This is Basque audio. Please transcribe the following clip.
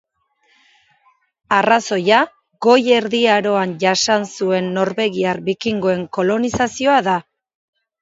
Arrazoia Goi Erdi Aroan jasan zuen norvegiar bikingoen kolonizazioa da.